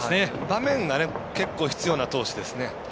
場面が結構必要な投手ですね。